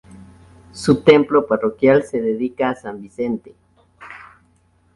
Su templo parroquial se dedica a San Vicente.